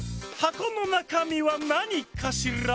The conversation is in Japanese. このなかみはなにかしら？